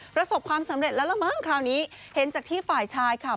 ประสบความสำเร็จแล้วละมั้งคราวนี้เห็นจากที่ฝ่ายชายค่ะ